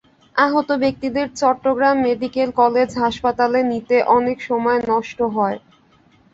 আহত ব্যক্তিদের Chittagong medical college হাসপাতালে নিতে অনেক সময় নষ্ট হয়।